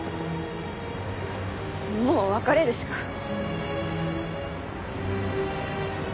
もう別れるしか。